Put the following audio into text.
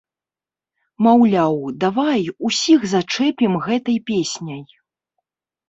Маўляў, давай, усіх зачэпім гэтай песняй!